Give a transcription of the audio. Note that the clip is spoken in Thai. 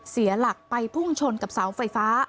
เสียหลักไปพุ่งชนกับเสาไฟฟ้า